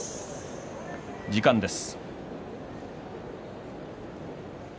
時間です。